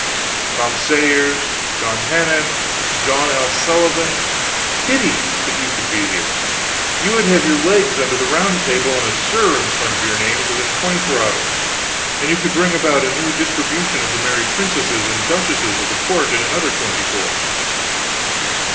Tom Sayers John Heenan John L. Sullivan pity but you could be here. You would have your legs under the Round Table and a 'Sir' in front of your names within the twenty four hours; and you could bring about a new distribution of the married princesses and duchesses of the Court in another twenty four.